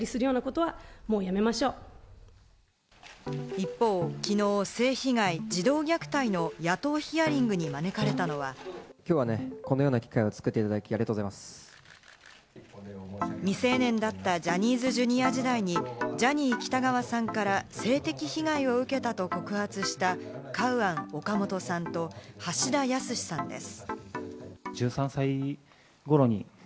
一方、きのう性被害・児童虐待の野党ヒアリングに招かれたのは。未成年だったジャニーズＪｒ．時代にジャニー喜多川さんから性的被害を受けたと告発したカウアン・オカモトさんと橋田康さんです。